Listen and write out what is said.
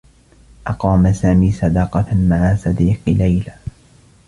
أقام سامي صداقة مع صديق ليلى.